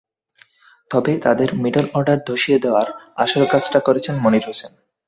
তবে তাদের middle order ধসিয়ে দেওয়ার আসল কাজটা করেছেন মনির হোসেন।